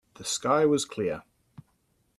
The sky was clear.